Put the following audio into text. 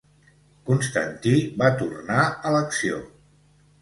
Constantí va tornar a l'acció.